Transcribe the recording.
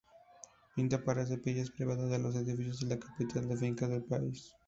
Pintó para capillas privadas de los edificios de la capital y fincas del país.